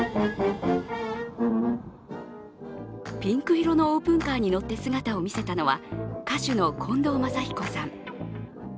ピンク色のオープンカーに乗って姿を見せたのは歌手の近藤真彦さん。